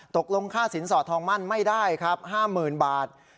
ตกลงค่าสินสอดทองมั่นไม่ได้ครับ๕๐๐๐บาท